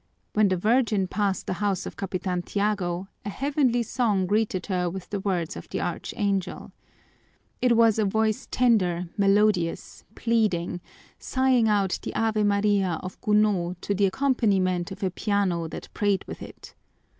When the Virgin passed the house of Capitan Tiago a heavenly song greeted her with the words of the archangel. It was a voice tender, melodious, pleading, sighing out the Ave Maria of Gounod to the accompaniment of a piano that prayed with it.